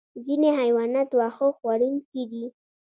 ځینې حیوانات واښه خوړونکي دي